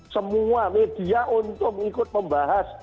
semua media untuk ikut membahas